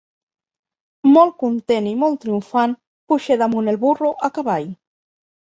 Molt content i molt triomfant puge damunt el burro a cavall.